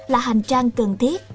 là hành trang cần thiết